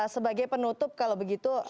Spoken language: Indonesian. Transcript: sebagai penutup kalau begitu